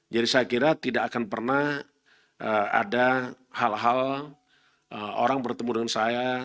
jadi saya kira tidak akan pernah ada hal hal orang bertemu dengan saya